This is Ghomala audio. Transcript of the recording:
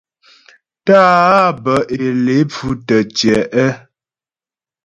Tá'ǎ bə́ é lé pfʉ tə́ tyɛ̌'.